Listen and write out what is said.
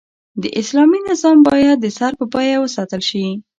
د اسلامي نظام بايد د سر په بيه وساتل شي